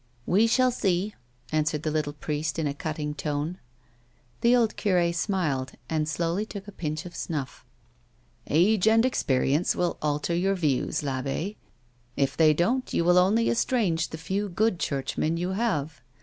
" We shall see," answered the little priest in a cutting tone. The old cure smiled and slowly took a pinch of snufiF. " Age and experience will alter your views, I'abbe ; if they don't you will only estrange the few good Churchmen you have.